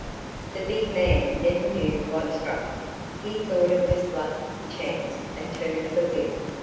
The big man never knew what struck him. He thought it was luck, chance, a turn of the wheel.